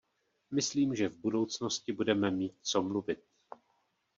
Myslím, že v budoucnosti budeme mít co mluvit.